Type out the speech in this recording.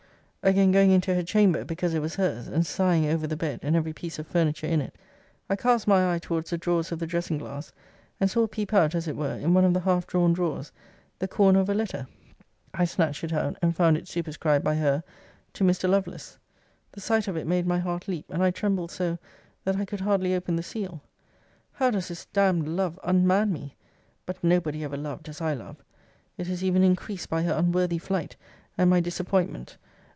Again going into her chamber, because it was her's, and sighing over the bed, and every piece of furniture in it, I cast my eye towards the drawers of the dressing glass, and saw peep out, as it were, in one of the half drawn drawers, the corner of a letter. I snatched it out, and found it superscribed, by her, To Mr. Lovelace. The sight of it made my heart leap, and I trembled so, that I could hardly open the seal. How does this damn'd love unman me! but nobody ever loved as I love! It is even increased by her unworthy flight, and my disappointment.